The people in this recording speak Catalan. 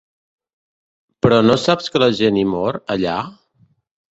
Però no saps que la gent hi mor, allà?